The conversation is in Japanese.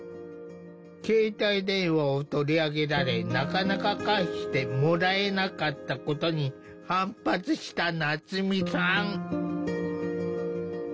携帯電話を取り上げられなかなか返してもらえなかったことに反発した夏実さん。